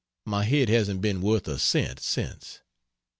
My head hasn't been worth a cent since.